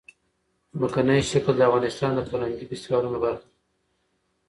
ځمکنی شکل د افغانستان د فرهنګي فستیوالونو برخه ده.